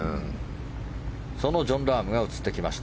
そのジョン・ラームが映ってきました。